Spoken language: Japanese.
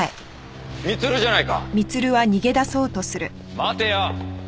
待てよ！